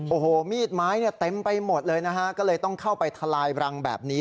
โอ้โหมีดไม้เนี่ยเต็มไปหมดเลยนะฮะก็เลยต้องเข้าไปทลายรังแบบนี้